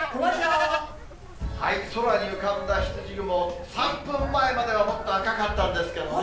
空に浮かんだひつじ雲、３分前まではもっと赤かったんですけどね。